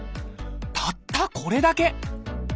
たったこれだけ！